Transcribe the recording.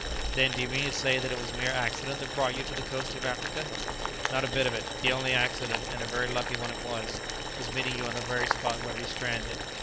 "Then do you mean to say that it was mere accident that brought you to the coast of Africa?" "Not a bit of it; the only accident, and a very lucky one it was was meeting you on the very spot where we stranded.